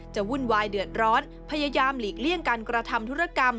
วุ่นวายเดือดร้อนพยายามหลีกเลี่ยงการกระทำธุรกรรม